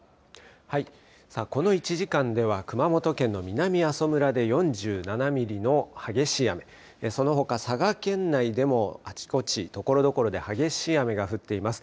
この１時間では熊本県の南阿蘇村で４７ミリの激しい雨、そのほか佐賀県内でもあちこちところどころで激しい雨が降っています。